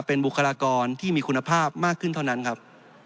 เป็นบุคลากรที่มีคุณภาพมากขึ้นเท่านั้นครับ